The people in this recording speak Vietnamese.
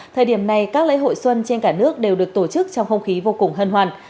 thời điểm này các lễ hội xuân trên cả nước đều được tổ chức trong không khí vô cùng hân hoàn